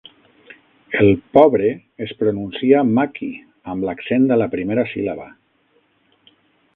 El pobre es pronuncia "Mackie" amb l'accent a la primera síl·laba.